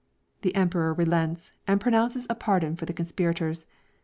The emperor relents, and pronounces a pardon for the conspirators.